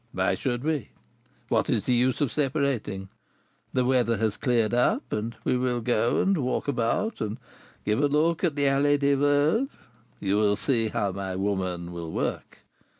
"Why should we?" "What is the use of separating? The weather has cleared up, and we will go and walk about, and give a look at the Allée des Veuves; you will see how my woman will work.